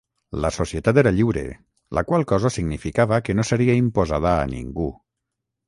La societat era lliure, la qual cosa significava que no seria imposada a ningú.